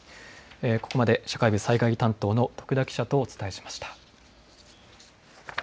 ここまで社会部災害担当の徳田記者とお伝えしました。